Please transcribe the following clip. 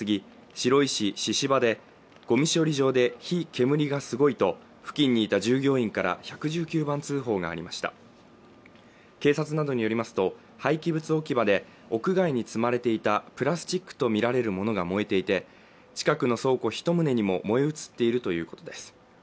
白井市神々廻でごみ処理場で火、煙がすごいと付近にいた従業員から１１９番通報がありました警察などによりますと廃棄物置き場で屋外に積まれていたプラスチックと見られるものが燃えていて近くの倉庫一棟にも燃え移っているということです